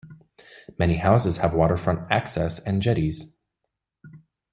Many houses have waterfront access and jetties.